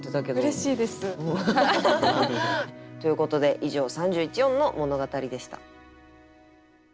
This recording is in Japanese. うれしいです。ということで以上「三十一音の物語」でした。